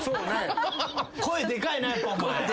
声でかいなやっぱお前。